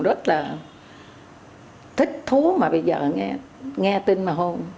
rất là thích thú mà bây giờ nghe tin mà hôn